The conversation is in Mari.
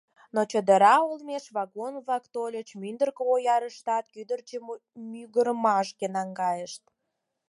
Но чодыра олмеш вагон-влак тольыч, мӱндыркӧ, оярыштат кӱдырчӧ мӱгырымашке наҥгайышт.